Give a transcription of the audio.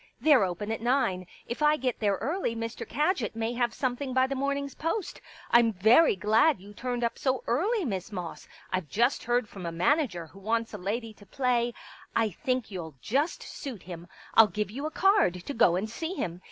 They're open at nine. If I get there early Mr. Kadgit may have something by the morning's post. ... I'm very glad you turned up so early. Miss Moss. I've just heard from a manager who wants a lady to play. ... I think you'll just suit him. I'll give you a card to go and see him.